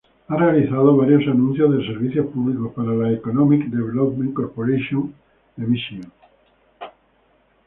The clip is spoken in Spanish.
Ha realizado varios anuncios de servicios públicos para la Economic Development Corporation de Michigan.